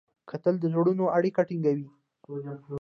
کتل د زړونو اړیکې ټینګوي